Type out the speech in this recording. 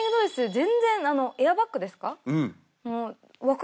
全然あのエアバッグですか？